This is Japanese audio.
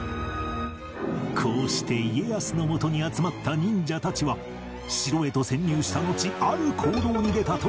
こうして家康のもとに集まった忍者たちは城へと潜入したのちある行動に出たという